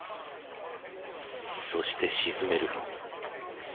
そして沈める。